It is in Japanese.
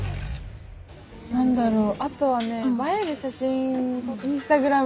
何だろう？